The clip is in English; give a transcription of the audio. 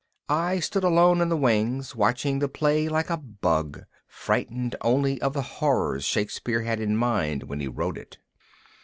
I stood alone in the wings, watching the play like a bug, frightened only of the horrors Shakespeare had in mind when he wrote it.